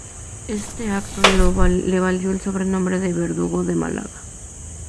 Este acto le valió el sobrenombre de "verdugo de Málaga".